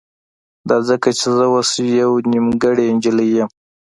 دا ځکه چې زه اوس يوه نيمګړې نجلۍ يم.